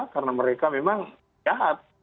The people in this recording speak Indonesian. karena mereka memang jahat